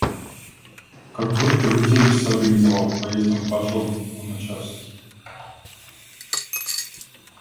Как будто бы Терек сорганизовал, проездом в Боржом, Луначарский.